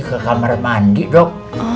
ke kamar mandi dok